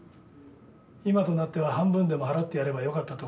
今となっては半分でも払ってやればよかったと思ってます。